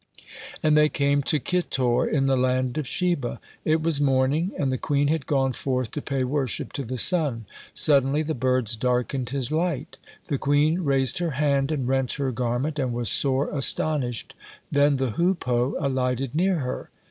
And they came to Kitor in the land of Sheba. It was morning, and the queen had gone forth to pay worship to the sun. Suddenly the birds darkened his light. The queen raised her hand, and rent her garment, and was sore astonished. Then the hoopoe alighted near her.